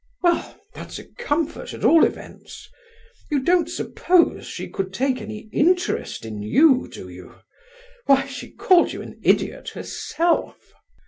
"Well, that's a comfort, at all events. You don't suppose she could take any interest in you, do you? Why, she called you an 'idiot' herself."